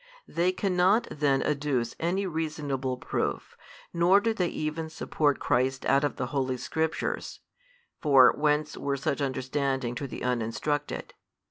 They cannot |180 then adduce any reasonable proof, nor do they even support Christ out of the holy Scriptures (for, whence were such understanding to the uninstructed?)